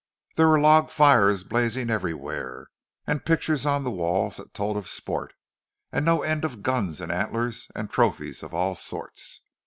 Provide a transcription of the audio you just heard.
There were log fires blazing everywhere, and pictures on the walls that told of sport, and no end of guns and antlers and trophies of all sorts.